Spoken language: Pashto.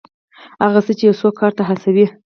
هغه څه چې یو څوک کار ته هڅوي.